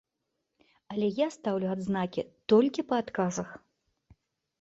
Але я стаўлю адзнакі толькі па адказах.